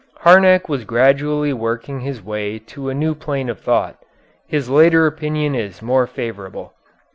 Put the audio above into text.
Harnack was gradually working his way to a new plane of thought. His later opinion is more favorable."